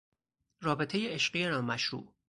رابطهی عشقی نامشروع